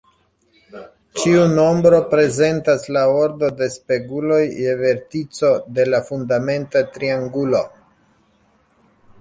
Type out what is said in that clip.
Ĉiu nombro prezentas la ordo de speguloj je vertico de la fundamenta triangulo.